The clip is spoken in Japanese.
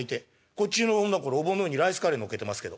こっちの女これおぼんの上にライスカレー乗っけてますけど」。